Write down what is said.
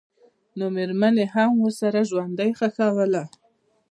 نومېرمن یې هم ورسره ژوندۍ ښخوله.